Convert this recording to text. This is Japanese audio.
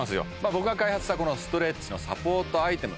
僕が開発したこのストレッチのサポートアイテム